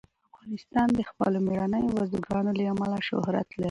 افغانستان د خپلو مېړنیو بزګانو له امله شهرت لري.